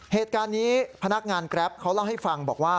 เหตุการณ์นี้พนักงานแกรปเขาเล่าให้ฟังบอกว่า